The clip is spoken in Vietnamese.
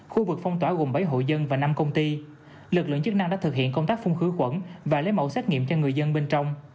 khu vực phong tỏa gồm bảy hộ dân và năm công ty lực lượng chức năng đã thực hiện công tác phun khử khuẩn và lấy mẫu xét nghiệm cho người dân bên trong